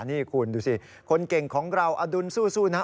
นี่คุณดูสิคนเก่งของเราอดุลสู้นะ